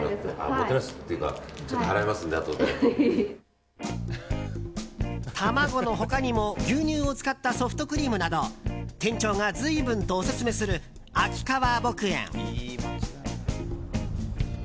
もてなすっていうか卵の他にも牛乳を使ったソフトクリームなど店長が随分とオススメする秋川牧園。